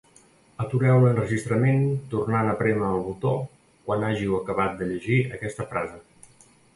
Atureu l'enregistrament tornant a prémer el botó quan hàgiu acabat de llegir aquesta frase.